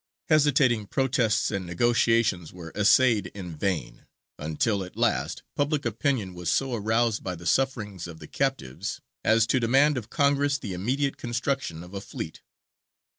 Hesitating protests and negotiations were essayed in vain; until at last public opinion was so aroused by the sufferings of the captives as to demand of Congress the immediate construction of a fleet.